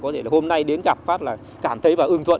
có thể là hôm nay đến gặp phát là cảm thấy và ưng thuận